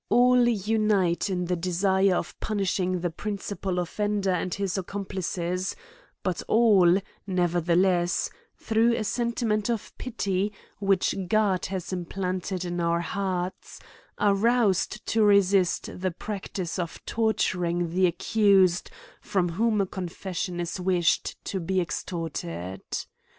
All unite in the desire of punishing the principal offender and his accomplices ; but all, nevertheless, through a sentiment of pity which God has implanted in our hearts, are roused to resist the practice of torturing the accused from whom a confession is wished to be extorted.